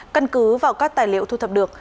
cân cứ vào các tài liệu thu thập được